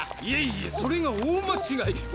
いえいえそれが大まちがい。